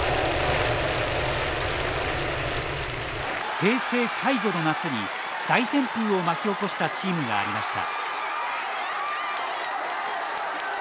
平成最後の夏に大旋風を巻き起こしたチームがありました。